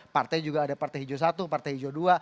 partai juga ada partai hijau satu partai hijau dua